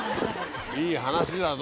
いい話だぞ。